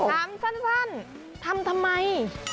ถามสั้นทำทำไม